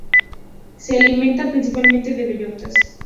Se alimenta principalmente de bellotas.